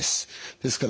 ですから